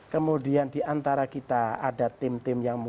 kemudian diantara kita ada tim tim yang muncul